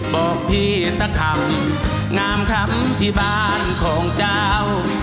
บอกพี่สักคำงามคำที่บ้านของเจ้า